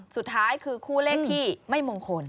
สุดท้ายคือคู่เลขที่ไม่มงคล